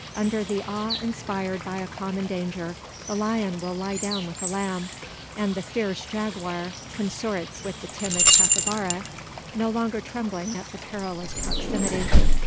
Under the awe inspired by a common danger, the lion will lie down with the lamb, and the fierce jaguar consorts with the timid capivara no longer trembling at the perilous proximity.